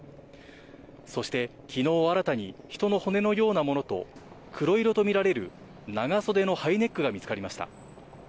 そして昨日新たに、人の骨のようなものと、黒色とみられる長袖のハイネックが見つかりました。